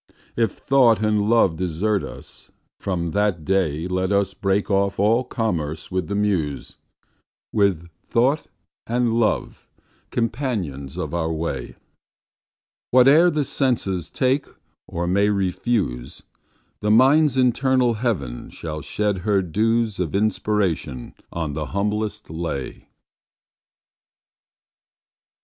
—If Thought and Love desert us, from that dayLet us break off all commerce with the Muse:With Thought and Love companions of our way—Whate'er the senses take or may refuse,—The Mind's internal heaven shall shed her dewsOf inspiration on the humblest lay.